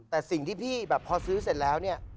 แต่สิ่งที่พี่แบบพอซื้อเสร็จแล้วเนี่ย